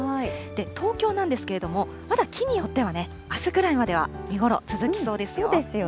東京なんですけれども、まだ木によっては、あすぐらいまでは見頃、続きそうですよ。